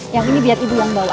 yang ini biar ibu yang bawa